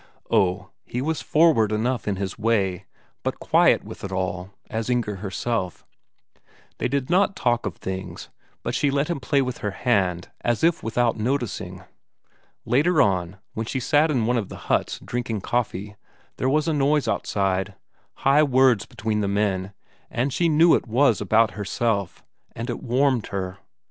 Oh, he was forward enough in his way, but quiet with it all, as Inger herself; they did not talk of things, and she let him play with her hand as if without noticing. Later on, when she sat in one of the huts drinking coffee, there was a noise outside, high words between the men, and she knew it was about herself, and it warmed her.